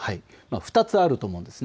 ２つあると思うんです。